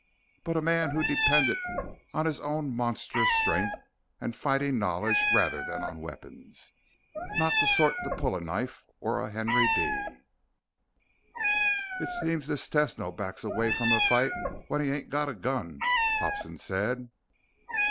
But a man who depended on his own monstrous strength and fighting knowledge rather than on weapons. Not the sort to pull a knife or a Henry D. "It seems this Tesno backs away from a fight when he ain't got a gun," Hobson said.